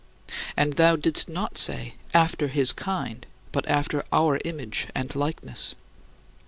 And thou didst not say, "After his kind," but after "our image" and "likeness."